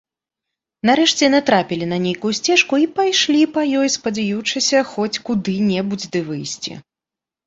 Нарэшце, натрапілі на нейкую сцежку і пайшлі па ёй, спадзеючыся хоць куды-небудзь ды выйсці.